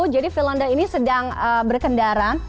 jadi philando ini sedang berkendara